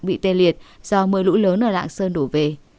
bị tê liệt do mưa lũ lớn ở lạng sơn đổ về